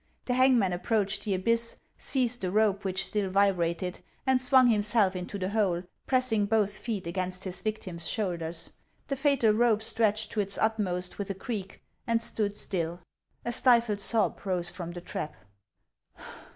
The hangman approached the abyss, seized the rope, which still vibrated, and swung himself into the hole, pressing both feet against his victim's shoulders ; the fatal rope stretched to its utmost with a creak, and stood still. A stifled sob rose from the trap.